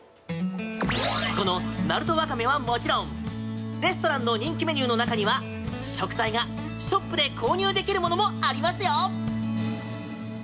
この鳴門わかめはもちろんレストランの人気メニューの中には食材がショップで購入できるものもありますよ。